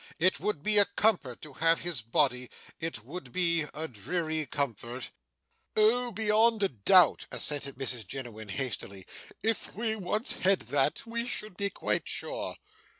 It would be a comfort to have his body; it would be a dreary comfort.' 'Oh, beyond a doubt,' assented Mrs Jiniwin hastily; 'if we once had that, we should be quite sure.